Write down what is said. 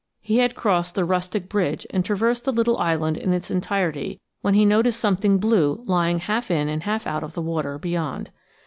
He had crossed the rustic bridge and traversed the little island in its entirety, when he noticed something blue lying half in and half out of the water beyond.